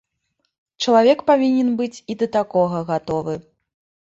Чалавек павінен быць і да такога гатовы.